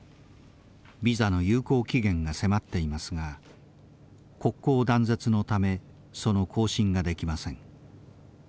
ビザの有効期限が迫っていますが国交断絶のためその更新ができません。